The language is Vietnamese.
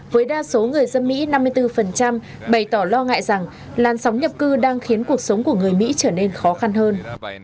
với đa số người dân mỹ năm mươi bốn bày tỏ lo ngại rằng làn sóng nhập cư đang khiến cuộc sống của người mỹ trở nên khó khăn hơn